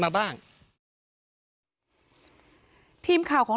พ่อโทษ